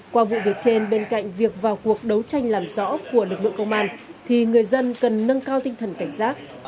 qua vụ việc trên bên cạnh việc vào cuộc đấu tranh làm rõ của lực lượng công an thì người dân cần nâng cao tinh thần cảnh giác